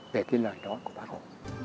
về cái lời đó của bác hồ